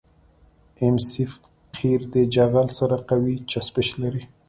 ام سي قیر د جغل سره قوي چسپش لري